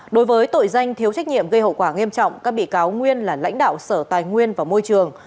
đối với tội danh thiếu trách nhiệm gây hậu quả nghiêm trọng các bị cáo nguyên là lãnh đạo sở tài nguyên và môi trường